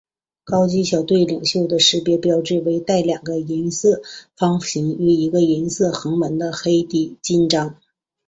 高级小队领袖的识别标记为带两个银色方形与一条银色横纹的黑底襟章。